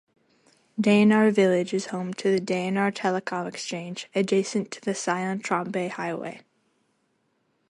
Deonar Village is home to the Deonar Telecom Exchange, adjacent to the Sion-Trombay Highway.